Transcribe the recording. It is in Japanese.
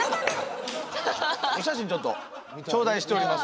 お写真ちょっと頂戴しております